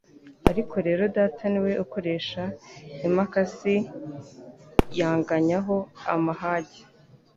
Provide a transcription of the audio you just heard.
ariko rero Data ni we ukoresha imakasi yanganyaho amahage.